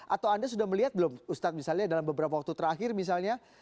atau anda sudah melihat belum ustadz misalnya dalam beberapa waktu terakhir misalnya